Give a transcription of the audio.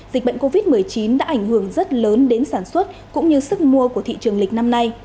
dịch bệnh covid một mươi chín đã ảnh hưởng rất lớn đến sản xuất cũng như sức mua của thị trường lịch năm nay